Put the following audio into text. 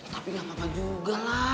tapi gak apa apa juga lah